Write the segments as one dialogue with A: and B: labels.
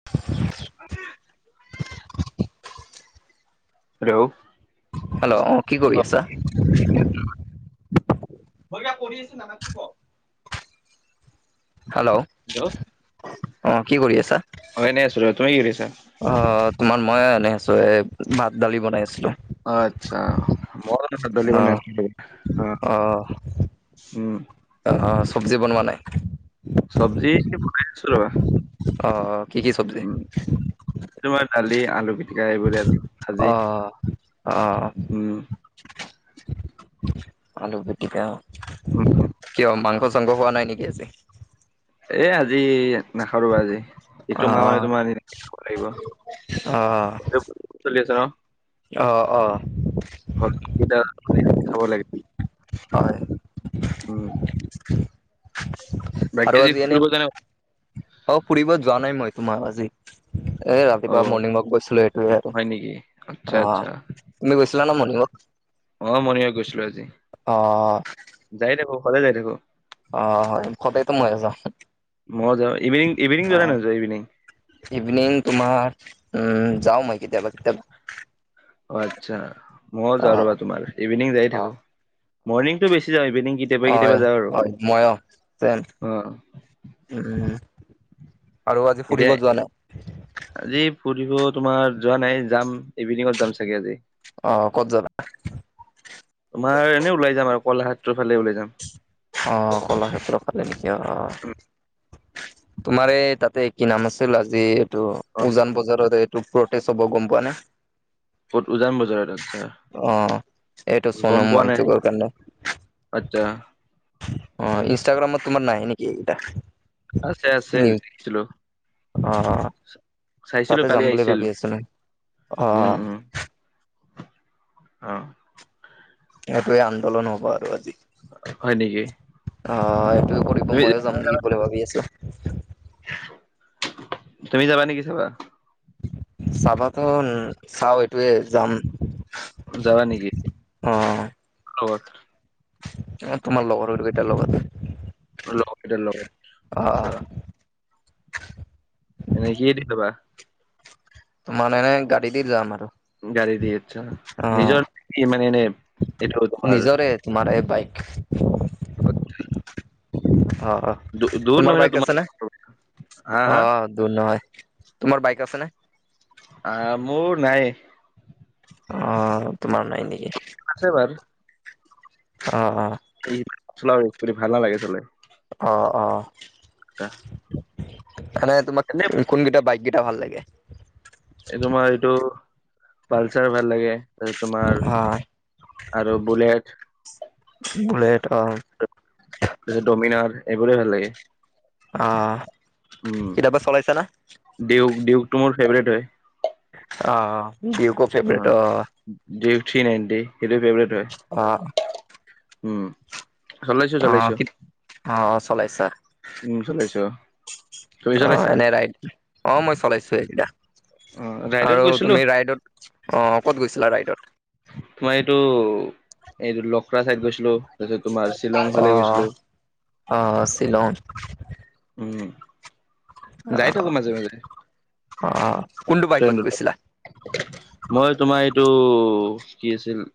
A: [unintelligible]
B: Hello
A: hello অ কি কৰি আছা।
B: [unintelligible]
A: হেল্ল'
B: হেল্ল'
A: অ কি কৰি আছা।
B: অ এনে আছো ৰ‌ তুমি কি কৰি আছা।
A: অ তোমাৰ মই এনে আছো এ ভাত দালি বনাই আছিলো।
B: আচ্ছা মই [inaudible] দালি
A: অ
B: বনাই আছো অ উম।
A: অ অ চব্জি বনোৱা নাই।
B: চব্জি বনাই আছো ৰবা।
A: অ অ কি কি চব।
B: উম তোমাৰ দালি আলু পিট।
A: অ অ অ।
B: উম
A: আলু পিটিকা।
B: উম উম।
A: কিয় মাংস চাংস খোৱা নাই নেকি আজি।
B: এ আজি। নাখাও ৰবা আজি ইটো
A: অ
B: মাহ মানে তোমাৰ [inaudible] খাব লাগিব
A: অ
B: চলি আছে ন।
A: অঁ অঁ।
B: ঘৰত কিবা বনাইছে খাব লাগে
A: হয়
B: উম। বাকী
A: আৰু আজি এনেই
B: ফুৰিব যোৱা নাই
A: অ ফুৰিব যোৱা নাই মই তোমাৰ আজি। এ
B: অ
A: ৰাতিপুৱা মৰ্ণিং ৱাক গৈছিলো এইটোৱে আৰু
B: হয় নেকি আচ্ছা
A: অ।
B: আচ্ছা
A: তুমি গৈছিলা ন মনিং ৱাক।
B: অ মৰণিং ৱাৰ্ক গৈছিলো আজি
A: অ
B: যাই থাকো সদায় যাই থাকো।
A: অ হয় খটেটো মই আছ
B: মই যা ইভিনিং ইভিনিং যোৱা নোয়োৱা ইভিনিং
A: ইভিনং তোমাৰ উম যাও মই কেতিয়াবা কেতিয়াবা
B: অ আচ্ছা মইও যাওঁ ৰ'বা
A: অ'।
B: তোমাৰ ইভিনিং যায় থাকো মৰ্নিংটো বেছি যাওঁ ইভিনং কেতিয়াবা কেতিয়াবা যাওঁ আৰু
A: অ তেন
B: অ
A: উম আৰু আজি
B: এতিয়া
A: ফুৰিব যোৱা নাই
B: আজি ফুৰিব তোমাৰ যোৱা নাই যাম ইভিনিঙত যাম চাগে আজি
A: অ ক'ত যাবা
B: তোমাৰ এনে ওলাই যাম আৰু কলাক্ষেত্ৰৰ ফালে ওলাই যাম
A: অ কলাক্ষেত্ৰ ফালে নেকি অ তোমাৰ এই তাতে কি নাম আছিল আজি টো
B: অ
A: উজান বজাৰত এইটো প্ৰটেচ হ'ব গম পোৱা নে
B: ক'ত উজান বজাৰত আচ্ছা
A: অ এইটো
B: গম
A: সুনম
B: পোৱা
A: মং
B: নাই
A: চু কাণ্ড
B: আচ্ছা
A: অ ইনষ্টাগ্ৰামত তোমাৰ নাহে নেকি এইকেইটা
B: আছে আছে
A: নি
B: দেখিছিলো
A: অ
B: চাইছিলো
A: তাতে
B: কালি
A: যাম বুলি
B: আহিছিল
A: ভাবি আছিলো অ
B: উম উম অ
A: সেইটোৱে আন্দোলন হ'ব আৰু আজি
B: হয় নেকি
A: অ এইটো কৰিব
B: তুমি
A: ময়ো যাম নেকি বুলি ভাবি আছো
B: তুমি যাবা নেকি চাব
A: চাবাতো চাও এইটোৱে যাম
B: যাবা নেকি মোৰ লগত
A: অ তোমাৰ লগৰ কেইটাৰ লগত
B: লগৰকেইটাৰ
A: অ
B: লগত এনেই কি দি খাবা
A: তোমাৰ এনে গাড়ী দি যাম আৰু
B: গাড়ী দি আচ্ছা
A: অ
B: নিজৰ কি মানে এনে এইটো তোমাৰ
A: নিজৰে তোমাৰ এই বাইক অ অ
B: দূ দূৰ
A: তোমাৰ
B: নহয় ন
A: বাইক আছে নে
B: হা
A: অ
B: হা
A: দূৰ নহয় তোমাৰ বাইক আছে নে
B: অ মোৰ নাই
A: অ তোমাৰ নাই নেকি
B: আছে বাৰু
A: অ অ
B: ই ধূলা ভাল লাগে চোন
A: অ অ মানে তোমাক
B: এনে
A: কোনকেইটা বাইককেইটা ভাল লাগে
B: এই তোমাৰ এইটো পালচাৰ ভাল লাগে এ তোমাৰ
A: অ
B: আৰু বুলেট
A: বুলেট অ
B: তাৰপিছত ডোমিনাৰ এইবোৰে ভাল লাগে
A: অ
B: উম
A: কেতিয়াবা চলাইছা না
B: ডিউক ডিউকটো মোৰ ফেভৰেট হয়
A: অ অ ডিউকক
B: অ
A: ফেভৰেট
B: ডিউক থ্ৰি নাইনটি সেইটো ফেভৰেট
A: অ
B: হয় উ
A: অ অ কিত অ অ চলাইছা
B: উম চলাইছো তুমি
A: অ
B: চলাইছা
A: এনে ৰাইড। অ মই চলাইছো এইবিলাক
B: অ ৰাইডত
A: আৰু
B: গৈছিলো
A: তুমি ৰাইডত। অ ক'ত গৈছিলা ৰাইডত।
B: তোমাৰ এইটো এইটো লখৰা চাইদ গৈছিলো তাৰপিছত তোমাৰ শ্বিলং ফালে গৈছিলো।
A: অ অ শ্বিলং।
B: উম। যাই থাকো মাজে মাজে
A: অ কোনটো বাইকত
B: ফ্ৰেণ্ড
A: গৈছিলা?
B: ৰোডত। মই তোমাৰ এইটো কি আছিল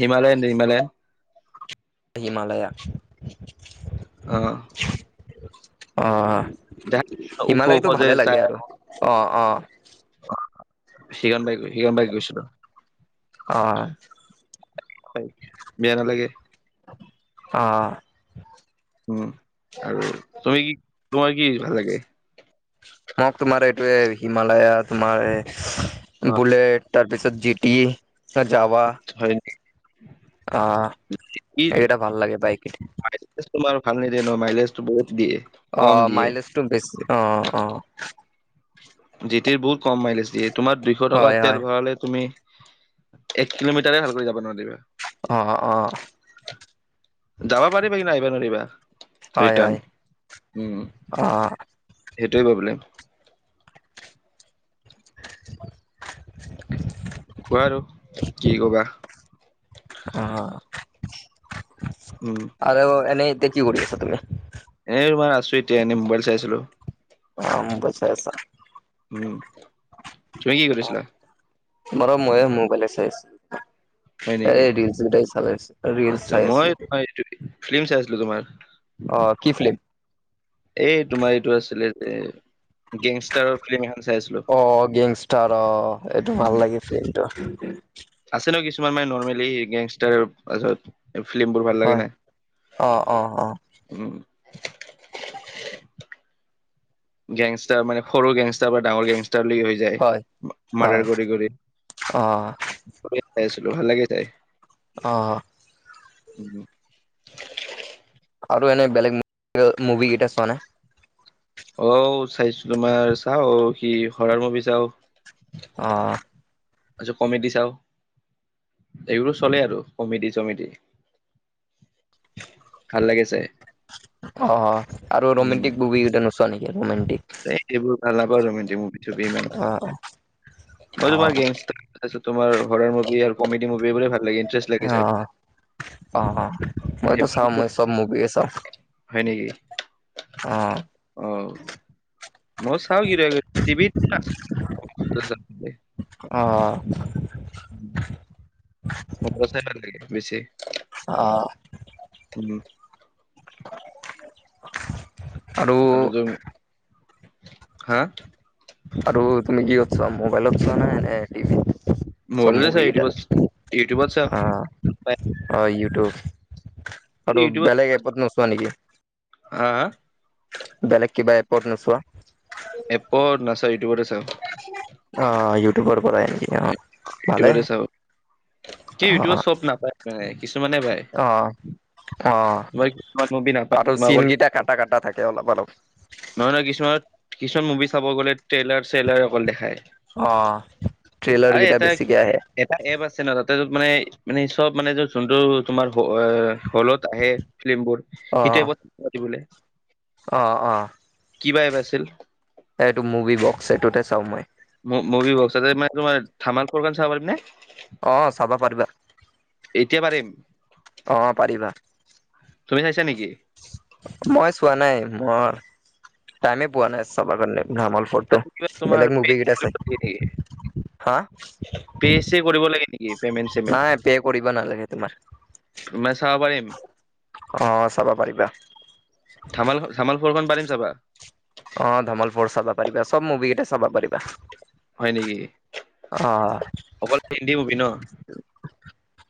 B: হিমালয়া নিৰ্মালায়া
A: হিমালয়া
B: অঁ
A: অ
B: যাই ওখ ওখ
A: হিমালয়টো
B: যে
A: ভালে লাগে আৰু অ অ
B: সিগণ বাই সিগণ বাই গৈছিলো
A: অ।
B: হয় বেয়া নালাগে।
A: অঁ।
B: উম আৰু তুমি কি তোমাৰ কি ভাল লাগে।
A: মোক তোমাৰ এইটোৱে হিমালয়া তোমাৰ এ
B: অ
A: বুলেট। তাৰপিছত জিটিনং তাত যাৱা।
B: হয়নি।
A: আহ এইকেইটা ভাল লাগে বাইক কেইটা।
B: লেজ তোমাৰ ভাল নিদিয়ে ন মাইলেজো বহুত দিয়ে।
A: অ
B: কম দিয়ে
A: মাইলেজটো বেছ অ অ।
B: জিটিৰ বহুত কম মাইলেজ দিয়ে তোমাৰ দুইশ টকা
A: হয় হয়
B: তেল ভৰালে তুমি। এক কিলোমিটাৰে ভালকৈ যাব নোৱাৰিবা।
A: অ অ।
B: যাবা পাৰিবা কিন আহিব নোৱাৰিবা
A: হয় হয়
B: ৰিটাৰ্ণ উম।
A: অ
B: সেইটোৱে প্ৰব্লেম।
A: [unintelligible]
B: কোৱা আৰু কি ক'বা।
A: অ।
B: উম।
A: আৰু এনে এতিয়া কি কৰি আছা তুমি।
B: এ ৰবা আছো এতিয়া এনে মোবাইল চাইছিলো।
A: অ মোবাইল চাই আছা।
B: উম তুমি কি কৰিছিলা।
A: মৰম মইয়ে মোবাইলে চাই আছিলো।
B: হয়
A: এ
B: নেকি
A: ৰিল চিল বিলাক চাই আছিলো ৰিল
B: আচ্ছা
A: চাই
B: মই
A: আছো।
B: ফিল্ম চাই আছিলো তোমাৰ।
A: অ কি ফিল্ম।
B: এই তোমাৰ এইটো আছিলে যে গেংষ্টাৰৰ ফিল্ম এখন চাইছো। [unintelligible]
A: অ! গেংষ্টাৰৰ অ এইটো
B: উম
A: ভাল লাগে ফিল্মটো। [inaudible]
B: আছে ন কিছুমান মানে নৰ্মেলি গেংষ্টাৰৰ পাছত। [unintelligible] ফিল্মবোৰ ভাল লাগে
A: হয়,
B: নাই?
A: অ' অ' অ'।
B: উম! [inaudible] গেংষ্টাৰ মানে সৰু গেংষ্টাৰ বা ডাঙৰ গেংষ্টাৰলৈ হৈ [unintelligible] যায়।
A: হয়, হয়,
B: মাৰ্ডাৰ কৰি-কৰি
A: অ'
B: চাই আছিলো ভাল লাগে চাই। [inaudible]
A: অঁ! [inaudible]
B: উম। [unintelligible]
A: আৰু এনে বেলেগ মুভি কেইটা চোৱা নে? [unintelligible]
B: অ! চাইছো তোমাৰ চাওঁ অ' সি হৰাৰ মুভি চাওঁ। [inaudible]
A: অঁ! [unintelligible]
B: কমেডি চাওঁ। [inaudible] এইবোৰো চলে আৰু কমেডি-চমেডি। [unintelligible] [unintelligible] ভাল লাগে চাই।
A: অ! আৰু ৰোমেণ্টিক মুভি কেইটা নোচোৱা নেকি ৰোমেণ্টিক? [inaudible]
B: এ সেইবোৰ ভাল নাপাওঁ ৰোমেন্টিক মুভি-চুভি ইমান।
A: অ'
B: মই তোমাৰ
A: অ'
B: গেংগ [unintelligible] তাৰপিছত তোমাৰ হৰাৰ মুভি আৰু কমেডি মুভিবোৰে ভাল লাগে। [inaudible]
A: অঁ! অঁ-অঁ! মইতো চাওঁ
B: সেইবোৰ
A: মই চব মুভিয়ে চাওঁ। [inaudible]
B: হয় নেকি?
A: অ'
B: অ! [inaudible] মই চাওঁ কেতিয়াবা-কেতিয়াবা। টিভিত [unintelligible]
A: অঁ! [unintelligible]
B: উম [inaudible] মুভি চাই ভাল লাগে বেছি।
A: অ! [unintelligible]
B: ধন [inaudible] আৰু তুমি [unintelligible] হা!
A: আৰু তুমি কিহত চোৱা মোবাইলত চোৱা নাই নে, নে টিভিত? [unintelligible] চব
B: মোবাইলতে
A: মুভি
B: চাই ইউটিউবত ইউটিউবত চাও
A: কেইটা? অ! [unintelligible] অ! ইউটিউব। আৰু বেলেগ এপত নোচোৱা নেকি? [inaudible]
B: হা-হা? [unintelligible]
A: বেলেগ কিবা এপত নোচোৱা? [unintelligible]
B: এপত নাচাওঁ ইউটিউবতে চাওঁ। [inaudible]
A: [unintelligible] অ! ইউটিউবৰ পৰাই। অ', ভালে
B: ইউটিউবতে চাওঁ। কি ইউটিউবত চব নাপায় মানে কিছুমানে পায়। [unintelligible]
A: অঁ-অঁ!
B: তোমাৰ কিছুমান মুভি নাপায়
A: আৰু
B: তোমাৰ অকল
A: চিনকেইটা কাটা-কাটা থাকে অলপ-অলপ। [inaudible]
B: নহয়-নহয়, কিছুমান-কিছুমান মুভি চাব গ'লে ট্ৰেইলাৰ-চেইলাৰ অকল দেখায়। [inaudible]
A: অঁ! ট্ৰেইলাৰ
B: আৰু
A: কেইটা
B: এটা
A: বেছিকে আহে। [unintelligible]
B: এটা এপ আছে ন তাতে যত মানে-মানে চব মানে যোনটো তোমাৰ অ! হলত আহে। [inaudible] ফিল্মবোৰ সেইটো এপত [unintelligible] বোলে।
A: অঁ-অঁ। [unintelligible]
B: কি বা এপ আছিল? [inaudible]
A: [unintelligible] এইটো মুভি বক্স এইটোতে চাওঁ মই।
B: মু-মুভি বক্সা তাতে মানে তোমাৰ ধামাল ফৰখন চাব পাৰিম নে? [unintelligible]
A: অঁ! চাব পাৰিবা। [unintelligible]
B: এতিয়া পাৰিম? [unintelligible]
A: অঁ! পাৰিবা। [inaudible]
B: তুমি চাইছা নেকি?
A: মই চোৱা নাই মই টাইমে পোৱা নাই চব কাৰণে ভ্ৰাম ফটো
B: তাত কিবা তোমাৰ
A: বেলেগ
B: পে
A: মুভি কেতা আছে,
B: কৰিব লাগে
A: হা?
B: পিএ চি কৰিব লাগে নেকি? পেমেন্ট চেমেন্ট
A: নাই পিএ কৰিব নালাগে তোমাৰ।
B: মই চাব পাৰিম।
A: অ' চাব পাৰিবা।
B: ধামালখন- ধামাল ফৰখন পাৰিম চাবা
A: অ' ধমাল পৰচা [unintelligible] চাবা পাৰিবা ব মুভি কেটা চাবা পাৰিবা।
B: হয় নেকি,
A: অ'
B: অকল হিন্দী মুভি ন?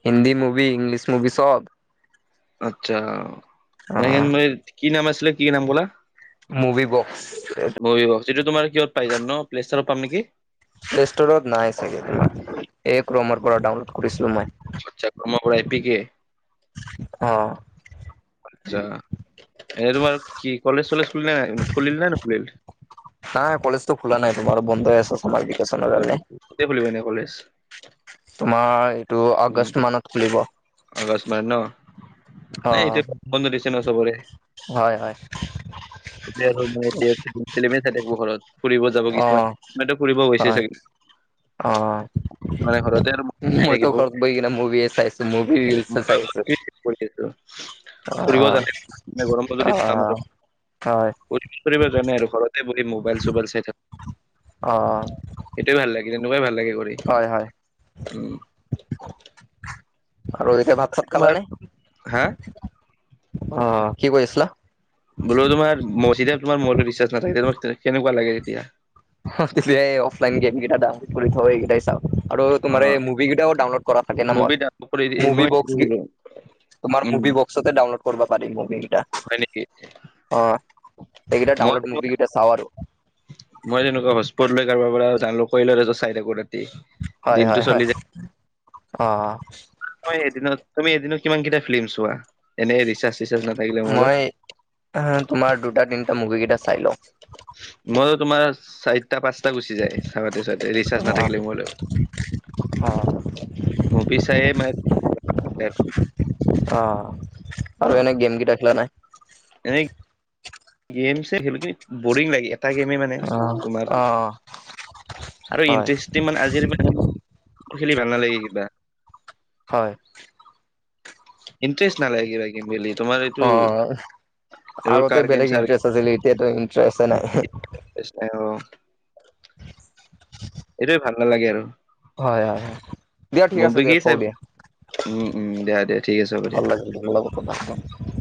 A: হিন্দী মুভি, ইংলিছ মুভি চব।
B: আচ্ছা,
A: অ'
B: কি নাম আছিলে, কি নাম ক'লা?
A: Movie box.
B: [unintelligible] তোমাৰ কিহত পাই যাম নো [unintelligible] পাম নেকি?
A: প্লে ষ্টৰত নাই চাগে তুমাৰ এই ক্ৰমৰ পৰা ডাউনলোড কৰিছিলো মই।
B: আচ্ছা [unintelligible] পৰা এপিকে
A: অ'।
B: আচ্ছা এনে তোমাৰ কি কলেজ চলেজ খুলিলে নাই খুলিল নাই নুখুলিল?
A: নাই কলেজ তো খোল নাই তোমাৰো বন্ধই আছে ছামাৰ বিকাচনৰ
B: হয়
A: কাৰণে।
B: নেকি? কেতিয়া খুলিব এনে কলেজ?
A: তোমাৰ এইটো
B: উম
A: আগষ্ট মানত খুলিব অ'।
B: আগষ্ট মানত ন নে এতিয়া বন্ধ দিছে ন' চবৰে।
A: হয়, হয়।
B: [unintelligible] চাই থাকিব ঘৰত ফুৰিব যাব কিছুমান,
A: অ'
B: কিমানো ফুৰিব গৈছে
A: হয়
B: চাগে।
A: অ'।
B: কিছুমানে ঘৰতে আৰু মোবাইল চাই
A: মইতু
B: থাকিব
A: ঘৰত বহি কেনে মুভি চাইছো মভিৰ
B: মই
A: ৰিল্চে চাইছো।
B: কৰি আছো ফুৰিবও জানে নে গৰমত যদি
A: অ'
B: আমাৰ
A: হয়।
B: কৰিব জানে আৰু ঘৰতে বহি মোবাইল চোবাইল চাই
A: অ
B: থাকো। এইটোৱে ভাল লাগে তেনেকুৱাই ভাল লাগে কৰি।
A: হয় হয়।
B: উম
A: আৰু এতিয়া ভাত চাত খালে
B: তোমাৰ
A: নে?
B: হা
A: অ' কি কৰিছিলা?
B: বোলো তোমাৰ ম চিদেপ তোমাৰ মোবাইলটোত ৰিচাৰ্জ নাথাকে তোমাক কেনেকুৱা লাগে তেতিয়া?
A: অফলাইন গেম কেইটা ডাউনলোড কৰি থও এইকেইটাই চাওঁ। আৰু
B: অ
A: তোমাৰ এই মুভি কেইটাও ডাউনলোড কৰা থাকে ন' মই,
B: মুভি ডাউনলোড কৰি এই
A: মুভি
B: মই
A: বক্স
B: উম
A: তোমাৰ মুভি বক্সতে ডাউনলোড কৰিব পাৰি মুভিকেইটা।
B: হয় নেকি
A: অ' এইকেইটা
B: মই
A: ডাউনলোড মুভি
B: তেনেকুৱা-
A: কেইটা চাওঁ আৰু।
B: মই তেনেকুৱা হস্পট লৈ কাৰোবাৰ পৰা জানো কৰি লওঁ তাছত চাই থাকো ৰাতি।
A: হয়
B: দিনটো
A: হয় হয়, অ', অ'।
B: ত' এদিনত তুমি এদিনত কিমান কেইটা ফিল্ম চোৱা? এনেই ৰিচাৰ্জ চিচাৰ্জ নাথাকিলে মোবাইলত।
A: অহ তোমাৰ দুটা তিনিটা মুভি কেইটা চাই লওঁ।
B: মই তোমাৰ চাই টা পাঁচটা গুচি যায় চাওঁতে চাতে
A: অ
B: ৰিচাৰ্জ নাথাকিলে মোবাইলত। মভি চাইয়ে ম [unintelligible]
A: অ' আৰু এনে গেম কেইটা খেলা নাই?
B: গেমছে খেলি কিনে বৰিং লাগে এটা গেমে মানে
A: অ
B: তোমাৰ
A: অ
B: আৰু
A: হয়
B: ইণ্টাৰেষ্টি মানে আজিৰ মোৰ খেলি ভাল নালাগে কিবা।
A: হয়।
B: ইণ্ট্ৰেষ্টট নালাগে কিবা গেম খেলি। তোমাৰ এইটো
A: অ'
B: এইবোৰ
A: আগতে
B: কাৰ গেম
A: বেলেগ
B: চাৰ
A: ইণ্টাৰেষ্ট আছিল এতিয়াটো ইণ্টাৰেষ্ট নাই।
B: ইনট্ৰাষ্ট নাই অ অ।
A: [unintelligible]
B: এইটোৱে ভাল নালাগে আৰু।
A: হয় হয় হয়, দিয়া ঠিক আছে
B: মুভি কি
A: দিয়া
B: চাই
A: থওঁ দিয়া,
B: উম উম দিয়া দিয়া ঠিক আছে হ'ব দিয়া
A: ভাল ল- [unintelligible]